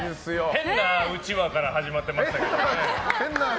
変なうちわから始まってましたけど。